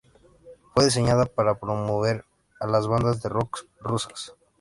Fue diseñada para promover a las bandas de rock rusas.